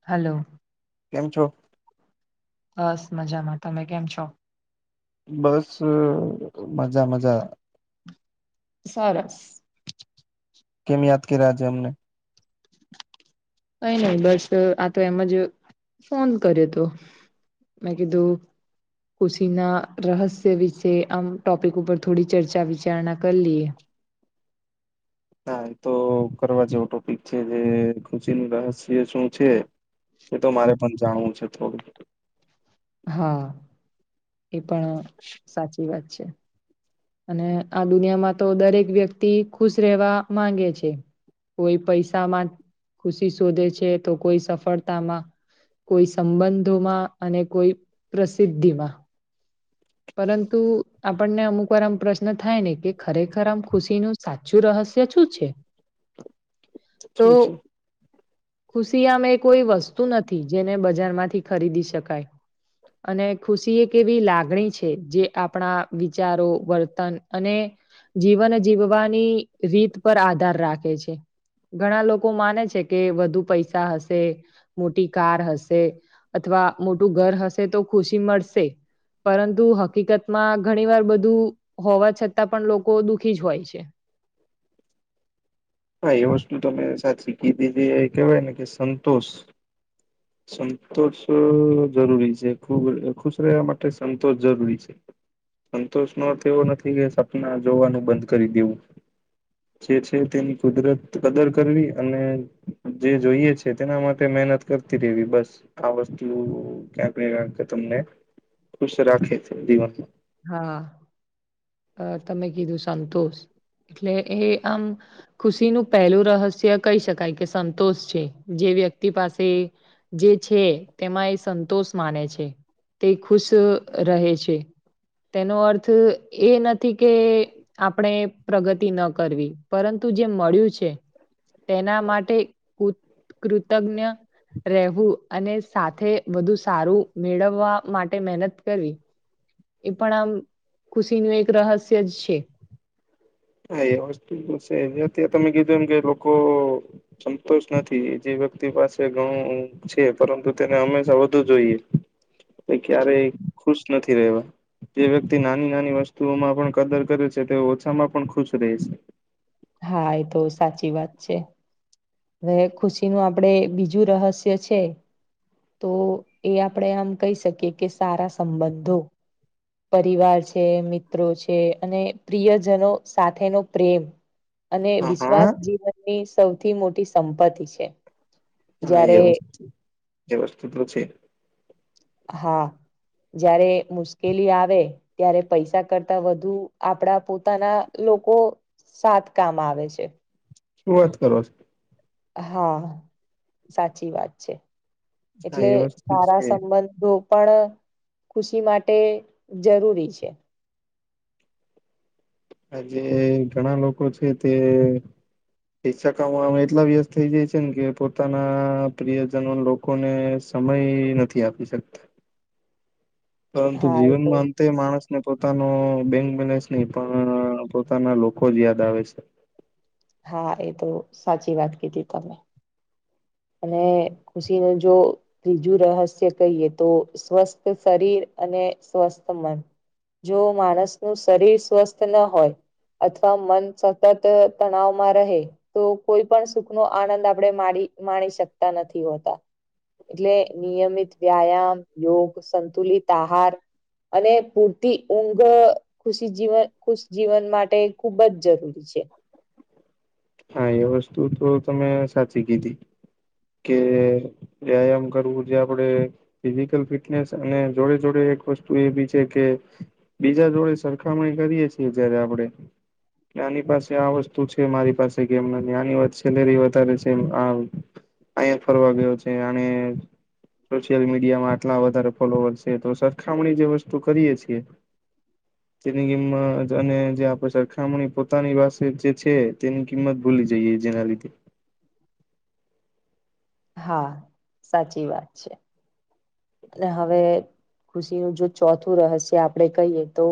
Hello કેમ છો બસ મજામાં તમે કેમ છો બસ મજા મજા સારસ કેમ યાદ કર્યા છે અમને કઈ નહી બસ આ તો એમ જ ફોન કર્યો તો મેકીી દું ખુશીના રહસ્ય વિશે આમ ટોપિક ઉપર થોડી ચર્ચા વિચારણા કરી લઈએ નાા એ તો કરવા જેવો ટોપિક છે જે ખુશી ન રહસ્ય શું છે એ તો મારે પણ જાણવું છે થોડું હા એ પણ સાચી વાત છે અને આ દુનિયામાં તો દરેક વ્યક્તિ ખુશ રહેવા માંગે છે કોઈ પૈસામાં ખુશી શોધે છે તો કોઈ સફળતામાં કોઈ સંબંધોમાં અને કોઈ પ્રસિદ્ધિ માં પરંતુ આપણને અમુક વાર આમ પ્રશ્ન થાય ને કે ખરેખર આમ ખુશીનું સાચું રહસ્ય શું છે તો શું છે ખુશી આમ એ કોઈ વસ્તુ નથી જેને બજાર માંથી ખરીદી શકાય અને ખુશી એ એવી લાગણી છે જે આપણા વિચારો વર્તન અને જીવન જીવવાની રીત પર આધાર રાખે છે ઘણા લોકો માને છે કે વધુ પૈસા હશે મોટી કાર હશે અથવા મોટું ઘર હશે તો ખુશી મળશે પરુ હકીકત માં ઘણી વાર બધું હોવા છતાં પણ લોકો દુખી જ હોય છે હા એ વસ્તુ તમે સાચી કીધીધી એ કેહેવાય ને કે સંતોષ સંતોષ જરૂરી છે ખુબ ખુશ રહેવા માટે સંતોષ જરૂરી છે સંતોષ નો અર્થ એવો નથી કે સપના જોવાનું બંધ કરી દેવું જે છે તેની કુદરત કદર કરવી અને જે જોઈએ છે તેના માટે મહેનત કર બસ આ વસ્તુ ક્યાક તમને ખુશ રાખે છે જીવનમાં હા અ તમે કીધું સંતોષ એટલે એ આમ ખુશીનુંું પહેલું રહસ્ય કહી શકાય કે સંતોષ છે જે વ્યક્તિ પાસે જે છે તેમાં એ સંતોષ માને છે તે ખુશ રહે છે તેનો અર્થ એ નથી કે આપણે પ્રગતિ ન કરવી પરંતુ જે મળ્યું છે તેના માટે ક કૃતજ્ઞ રહેવું અને સાથે વધુ સારું મેળવવા માટે મહેનત કરવી એ પણ આમ ખુશી ન એક રહસ્ય જ છે હા એ વસ્તુ બ છે અત તમે કીધું એમ કે લોકો સંતોષ નથી એ જે વ્યક્તિ પાસે ઘણું છે પરંતુ તેને હંમેશા વધુ જોઈએ એ ક્યારેય ખુશ નથી રહેવા જે વ્યક્તિ નાની નાની વસ્તુઓમાં પણ કદર કરે છે તે ઓછામાં પણ ખુશ રહે છે હા એ તો સાચી વાત છે હવે ખુશી નું આપડે બીજું રહસ્ય છે તો એ આપણેે આમ કહી શકીએ કે સારા સંબંધો પરિવાર છે મિત્રો છે અને પ્રિયજનો સાથેનો પ્રેમ અને હા વિશ્વાસ હા જીવનની સૌથી મોટી સંપત્તિ છે હા જ્યારે એ વસ્તુ એ વસ્તુ તોલું છે હા જયારે મુશ્કેલી આવે ત્યારે પૈસા કરતા વધુ આપડા પોતાના લોકો સાત કામ આવે છે શરૂઆત કરો હા સાચી વાત છે હા એટલે એ વસ્તુ સારા છે સંબંધો પણ ખુશી માટે જરૂરી છે આજે ઘણા લોકો છે તે પષાકામાં અમે એટલા વ્યસ્ત થઇ જાયી ને કે પોતાના પ્રિયજનો લોકોને સમય નથી આપી શકતા પરંતુ હા એ તો જીવનમાં અંતે માણસને પોતાનો બેંક બેલેન્સ નહી પણ પોતાના લોકો જ યાદ આવે છે હા એ તો સાચી વાત કીધી તમે અને ખુશી ન જો ત્રીજું રહસ્ય કહીએ તો સ્વસ્થ શરીર અને સ્વસ્થ મન જો માણસ નું શરીર સ્વસ્થ ન હોય અથવા મન સતત તણાવમાં રહે તો કોઈ પણ સુખ નો આનંદ આપણે મા માણી શકતા નથી હોતા એટલે નિયમિત વ્યાયામ યોગ સંતુલિત આહાર અને પૂરતી ઊંઘ ખુશી જીવન ખુશી જીવન માટે ખુબ જ જરૂરી છે હા એ વસ્તુ તો તમે સાચી કીધી કે વ્યાયામ કરવું જે આપડે ફિઝિકલ ફિટનેસ અને જોડે જોડે એક વસ્તુ એ બી છે કે બીજા જોડે સરખામણી કરીએ છીએ જયારે આપડણે નાની પાસે આ વસ્તુ છે મારી પાસે એમ નાનીેલેરી વધારે છે આ અહીંયા ફરવા ગયો છે અને સોશિયલ મીડિયામાં આટલા વધારે ફોલોવર છે તો સરખામણી જે વસ્તુ કરીએ છીએ તેની ગમ અને જે આપણે સરખામણી પોતાની પાસે જે છે તેની કિંમત ભૂલી જઈએ જેના લીધે હા સાચી વાત છે અને હવે ખુશીનું જો ચોથું રહસ્ય આપણેે કહીએ તો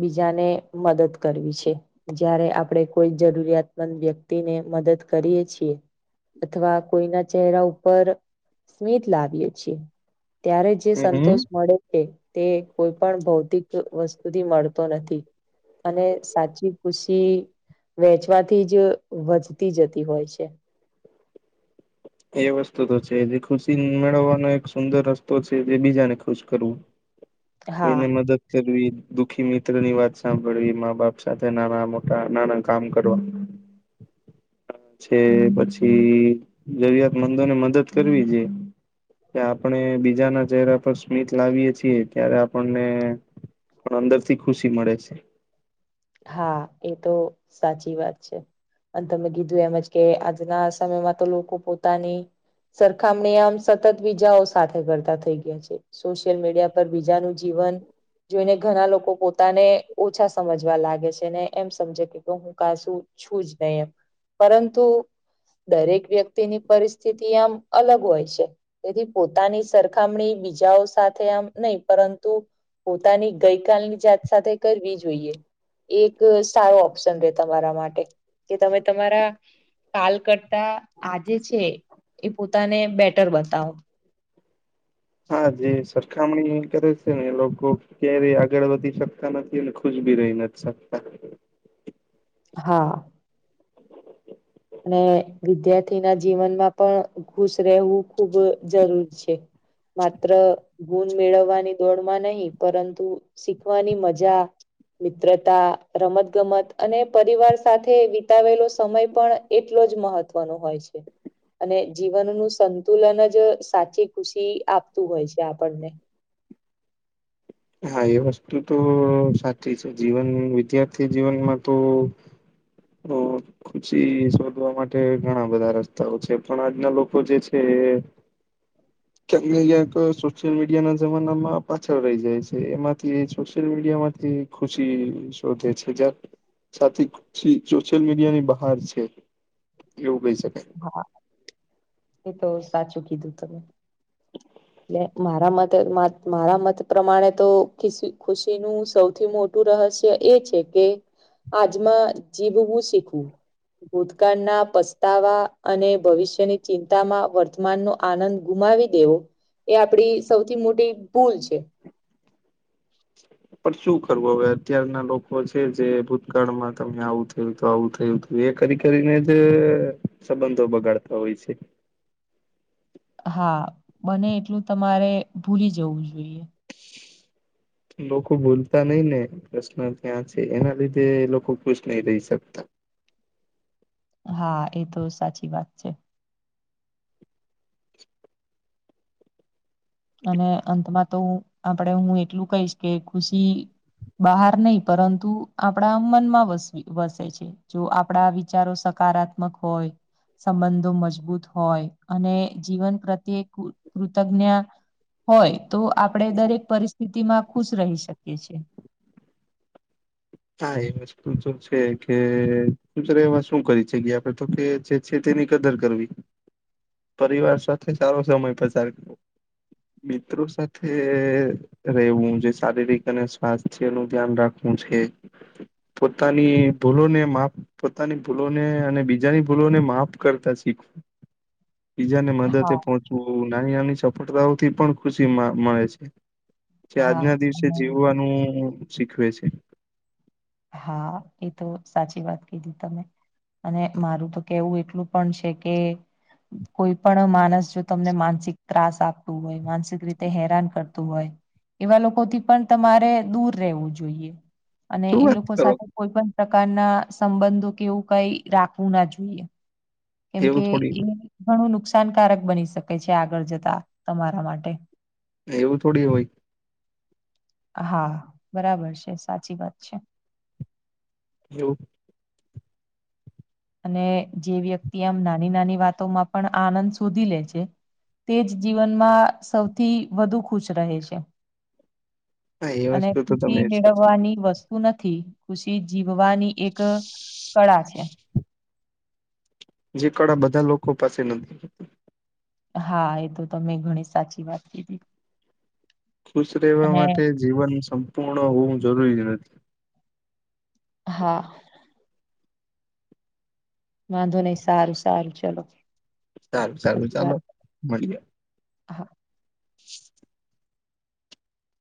બીજાને મદદ કરવી છે જયારે આપણેે કોઈ જરૂરિયાતમંદ વ્યક્તિને મદદ કરીએ છીએ અથવા કોઈના ચહેરા ઉપર સ્મિત લાવીએ છીએ ત્યારે જે હમ હમ સંતોષ મળે છે તે કોઈ પણ ભૌતિક વસ્તુથી મળતો નથી અને સાચી ખુશી વેચવાથી જ વધતી જતી હોય છે એ વસ્તુ તો છે જે ખુશી મેળવવાનો એક સુંદર રસ્તો છે જે બીજાને ખુશ કરવું [inaudible] કોઈને મદદ કરવી દુઃખી મિત્ર ની વાત સાંભળવી મા બાપ સાથે નાના મોટા નાના કામ કરવા [unintelligible] છ પછી જરૂરિયાતમંદોને મદદ કરવી છે કે આપણે બીજાના ચહેરા પર સ્મિત લાવીએ છીએ ત્યારે આપણને પણ અંદર થી ખુશી મળે છે હા એ તો સાચી વાત છે અને તમે કીધું એમજ કે આજના સમયમાં તો લોકો પોતાની સરખામણી આમ સતત વિીજાઓ સાથે કરતા થઈ ગયા છે સોશિયલ મીડિયા પર બીજાનું જીવન જોઈને ઘણા લોકો પોતાને ઓછા સમજ લાગે છેને એમ સમજ કે હું કા શું છું જ નહી એમ પરંતુ દરેક વ્યક્તિની પરિસ્થિતિ આમ અલગ હોય છે તેથી પોતાની સરખામણી બીજાઓ સાથે આમ નહી પરંતુ પોતાની ગઈકાલની જાત સાથે કરવી જોઈએ એક સારો ઓપ્શન રે તમારા માટે કે તમે તમારા કાલ કરતા આજે છે એ પોતાને બેટર બતાવો હા જે સરખામણી એ કરે છે ને એ લોકો ક્યારે આગળ વધી શકતા નથી અને ખુશ બી રહી નથી શકતા હા અને વિદ્યાર્થી ના જીવનમાં પણ ખુશ રહેવું ખુબ જરૂર છે માત્ર ગુણ મેળવવાની દોડ માં નહીિ પરંતુ શીખવાની મજા મિત્રતા રમત ગમત અને પરિવાર સાથે વિતાવેલો સમય પણ એટલો જ મહત્વનો હોય છે અને જીવનનું સંતુલન જ સાચી ખુશી આપતું હોય છે આપણને હા એ વસ્તુ તો સાચી છે જીવન વિદ્યાર્થી જીવનમાં તો હ ખુશી શોધવા માટે ઘણા બધા રસ્તાઓ છે પણ આજના લોકો જે છે [inaudible] ક્યાંક ને ક્યાંક સોશિયલ મીડિયા ના જમાના માં પાછળ રહી જાય છે એમાંથી સોશિયલ મીડિયામાંથી ખુશી શોધે છે જ સાથે ખુશી સોશિયલ મીડિયા ની બહાર છે એવું કહી શકાય હા એ તો સાચું કીધું તમે એટલે મારા મતે મારા મત પ્રમાણે તો ખ ખુશીનું સૌથી મોટું મોું રહસ્ય એ છે કે આજમાં જીભવું શીખવું પ્રકાર ના પસ્તાવા અને ભવિષ્યની ચિંતામાં વર્તમાનનોો આનંદ ગુમાવી દેવો એ આપડી સૌથી મોટી ભૂલ છે [unintelligible] પણ શું કરવું હવે અત્યારના લોકો છે જે ભૂતકાળમાં તમે આવું થયું તો આવું થયું એ કરી કરીને જ સંબંધો બગાડતા હોય છે હા બને એટલું તમારે ભૂલી જવું જોઈએ લોકો ભૂલતા નહીિ ને પ્રશ્ન ક્યાં છે એના લીધે લોકો ખુશ નહી રહી શકતા હા એ તો સાચી વાત છે અને અંતમાં તો આપણેે હું એટલું કહીશ કે ખુશી બહાર નહી પરંતુ આપડા મનમાં વસવી વસે છે જો આપડા વિચારો સકારાત્મક હોય સંબંધો મજબૂત હોય અને જીવન પ્રત્યે કૃતજ્ઞા હોય તો આપણેે દરેક પરિસ્થિતિ માં ખુશ રહી શકીએ છ છેએ હા એ તો છે કે સત એવા શું કરી છે કે આપડે તો કે જે છે તેની કદર કરવી [inaudible] પરિવાર સાથે સારો સમય પસાર કરવો મિત્રો સાથે રહેવું છે શારીરિક અને સ્વાસ્થ્ય નું ધ્યાન રાખવું છે પોતાની ભૂલોને માપ પોતાની ભૂલોને અને બીજાની ભૂલોને માફ કરતા શીખવું [inaudible] બીજા ને મદદે હા. પહોંચવું નાની નાની સફળતાઓથી પણ ખુશી મળે છે. જે હા આજના દિવસે અને જીવવાનું શીખવે છે. હા એ તો સાચી વાત કીધી તમે. અને મારું તો કેવું એટલું પણ છે કે કોઈ પણ માનસ જો તમને માનસિક ત્રાસ આપતું હોય માનસિક રીતે હેરાન કરતું હોય એવા લોકોથી પણ તમારે દૂર રહેવું જોઈએ. અને શું એ વાત લોકો કરો સાથે કોઈ પણ પ્રકારના સંબંધો કેવું કઈ રાખવું ના જોઈએ. કેમકે એવું થોડી એ ઘણું નુકસાનકારક બની શકે છે આગળ જતા તમારા માટે એવું થોડી હોય હા બરાબર છે સાચી વાત છે. જો અને જે વ્યક્તિ આમ નાની નાની વાતો માં પણ આનંદ શોધી લે છે. તે જ જીવનમાં સૌથી વધુ ખુશ રહે છે. હા એ અને વસ્તુ તો તમે ખુશી સાચી કીધી. મેળવવાની વ સ્તુ નથી ખુશી જીવવાની એક કળા છે. જે કળા બધા લોકો પાસે નથી. હા એ તો તમે ઘણી સાચી વાત કીધી. ખુશ રહેવા અને માટે જીવન સંપૂર્ણ હોવું જરૂરી નથી. હા વાંધો નહી સારું સારું ચલો. સારું સારું પછી ચાલો વાત મળીએ. [inaudible] [inaudible]